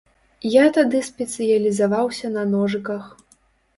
Я тады спецыялізаваўся на ножыках.